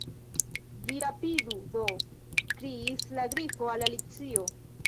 "Vi rapidu do," kriis la Grifo al Alicio.